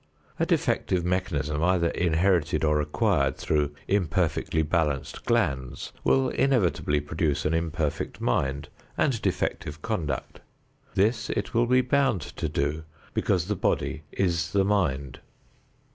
A defective mechanism either inherited or acquired through imperfectly balanced glands will inevitably produce an imperfect mind and defective conduct. This it will be bound to do because the body is the mind.